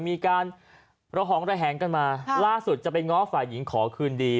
มีการระหองระแหงกันมาล่าสุดจะไปง้อฝ่ายหญิงขอคืนดี